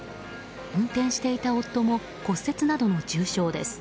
運転していた夫も骨折などの重傷です。